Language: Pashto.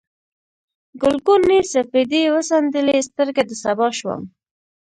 ګلګونې سپېدې وڅنډلې، سترګه د سبا شوم